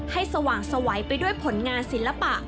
สว่างสวัยไปด้วยผลงานศิลปะ